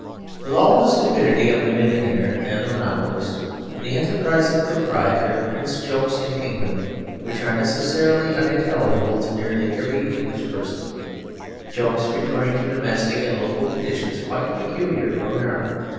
With all the stupidity of the millionaire and the monopolist, the enterprising proprietor prints jokes in England which are necessarily unintelligible to nearly every English person; jokes referring to domestic and local conditions quite peculiar to America.